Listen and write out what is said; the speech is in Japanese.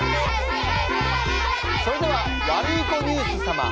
それではワルイコニュース様。